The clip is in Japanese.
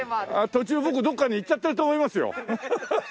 途中僕どっかに行っちゃってると思いますよ。